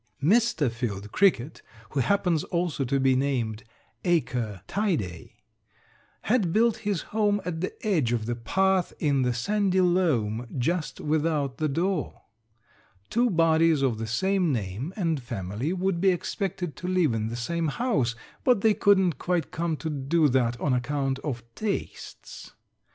Mr. Field Cricket, who happens also to be named Acre Tidae, had built his home at the edge of the path in the sandy loam just without the door. Two bodies of the same name and family would be expected to live in the same house, but they couldn't quite come to do that on account of tastes.